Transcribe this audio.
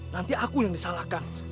nanti aku yang disalahkan